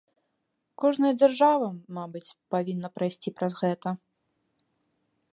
Кожная дзяржава, мабыць, павінна прайсці праз гэта.